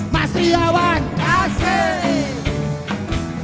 mas riawan asik